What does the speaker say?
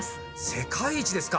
世界一ですか！